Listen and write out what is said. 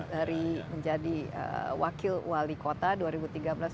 dari menjadi wakil wali kota dua ribu sepuluh ya